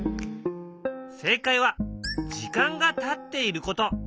正解は時間がたっていること。